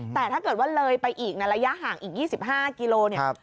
แต่ถ้าเกิดว่าเลยไปอีกในระยะห่างอีก๒๕กิโลเนี่ย